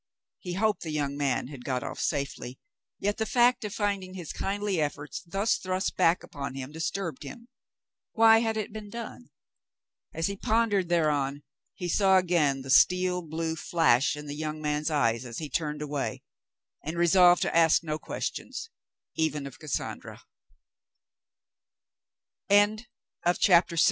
He hoped the young man had got off safely, yet the fact of finding his kindly efforts thus thrust back upon him dis turbed him. Why had it been done ? As he pondered thereon, he saw again the steel blue flash in the young man's eyes as he turned away, and resolved to ask no questions, e